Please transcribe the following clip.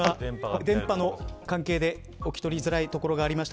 電波の関係でお聞き取りづらいところがありました。